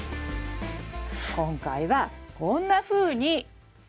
今回はこんなふうに。